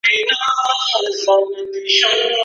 نه په حورو پسي ورک به ماشومان سي